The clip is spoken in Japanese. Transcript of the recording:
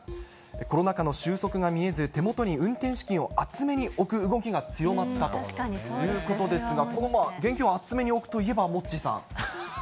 コロナ禍の収束が見えず、手元に運転資金を厚めに置く動きが強まったということですが、現金を厚めに置くといえば、モッチーさん。